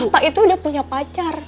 pak itu udah punya pacar